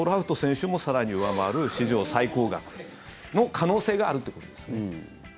これトラウト選手も更に上回る史上最高額の可能性があるということですね。